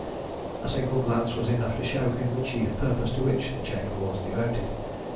A single glance was enough to show him the chief purpose to which the chamber was devoted.